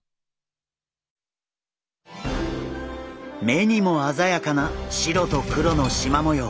目にもあざやかな白と黒のしま模様